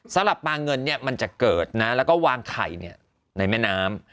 สำหรับปลาเงินมันจะเกิดนะแล้วก็วางไข่ในแม่น้ำ